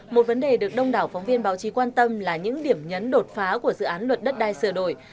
một vấn đề được đông đảo phóng viên báo chí quan tâm là những điểm nhấn đột phá của dự án luật đất đai sửa đổi